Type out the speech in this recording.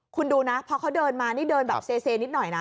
คุณดูนะพอเขาเดินมานี่เดินแบบเซนิดหน่อยนะ